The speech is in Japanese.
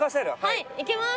はいいきます。